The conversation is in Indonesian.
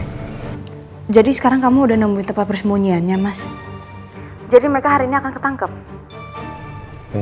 hai jadi sekarang kamu udah nunggu tepat persembunyiannya mas jadi mereka hari ini akan ketangkep insyaallah semoga ya kamu doain aja ini